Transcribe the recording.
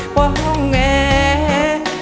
กว่าห้องแหน่